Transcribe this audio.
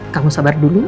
kamu sabar dulu